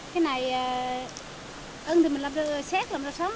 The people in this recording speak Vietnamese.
cái này ơn thì mình làm ra xét làm ra sống